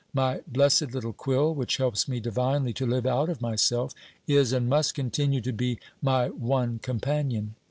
My blessed little quill, which helps me divinely to live out of myself, is and must continue to be my one companion.